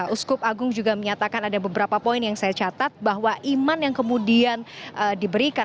uskup agung juga menyatakan ada beberapa poin yang saya catat bahwa iman yang kemudian diberikan